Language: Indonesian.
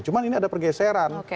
cuma ini ada pergeseran